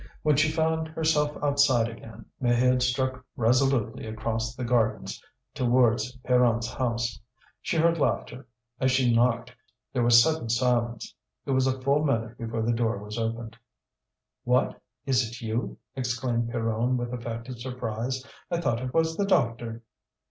When she found herself outside again, Maheude struck resolutely across the gardens towards Pierron's house. She heard laughter. As she knocked there was sudden silence. It was a full minute before the door was opened. "What! is it you?" exclaimed Pierronne with affected surprise. "I thought it was the doctor."